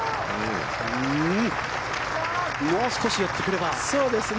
もう少し寄ってくれば。